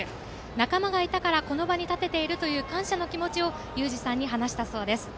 仲間がいたからこの場に立てているという感謝の気持ちをゆうじさんに話したそうです。